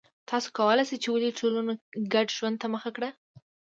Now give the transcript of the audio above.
تاسو کولای شئ چې ولې ټولنو ګډ ژوند ته مخه کړه